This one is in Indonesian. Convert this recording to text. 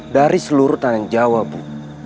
dari seluruh tanah jawa bu